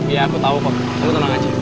iya aku tau kok aku tolong aja